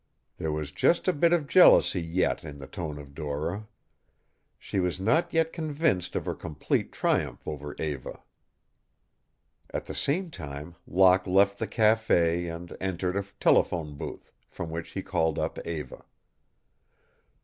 There was just a bit of jealousy yet in the tone of Dora. She was not yet convinced of her complete triumph over Eva. At the same time Locke left the café and entered a telephone booth, from which he called up Eva.